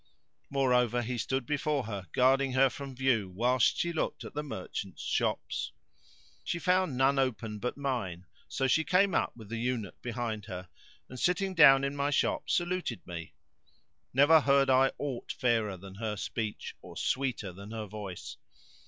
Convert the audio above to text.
Moreover he stood before her guarding her from view whilst she looked at the merchants' shops. She found none open but mine; so she came up with the eunuch behind her and sitting down in my shop saluted me; never heard I aught fairer than her speech or sweeter than her voice.